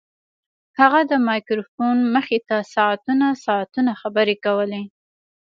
هغه د مایکروفون مخې ته ساعتونه ساعتونه خبرې کولې